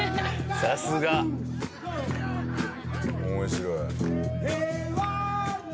さすが。面白い。